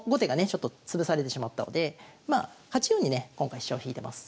ちょっと潰されてしまったのでまあ８四にね今回飛車を引いてます